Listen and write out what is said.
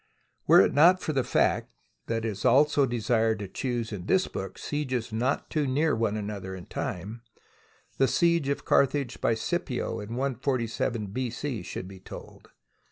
Were it not for the fact that it is also desired to choose in this book sieges not too near one another in time, the siege of Carthage by Scipio in 147 B.C. should be told.